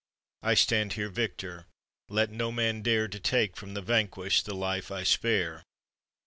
I stand here victor: let no man dare To take from the vanquished the life I spare!"